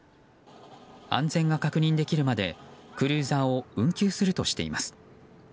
安全が確認できるまでクルーザーを運休するとしています。